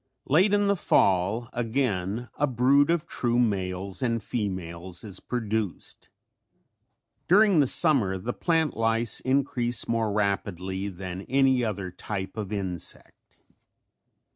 Late in the fall again a brood of true males and females is produced. During the summer the plant lice increase more rapidly than any other type of insect.